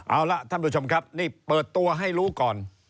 เอาล่ะท่านผู้ชมครับนี่เปิดตัวให้รู้ก่อน